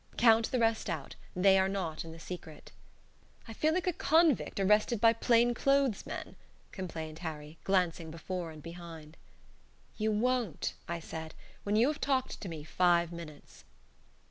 Count the rest out. They are not in the secret." "I feel like a convict arrested by plainclothes men," complained Harry, glancing before and behind. "You won't," I said, "when you have talked to me five minutes."